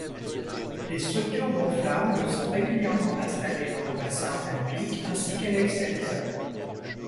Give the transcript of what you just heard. Des structures gonflables sont régulièrement installées dans le bassin olympique ainsi qu'à l'extérieur.